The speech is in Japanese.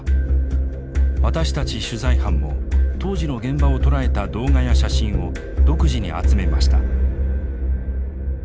私たち取材班も当時の現場を捉えた動画や写真を独自に集めました。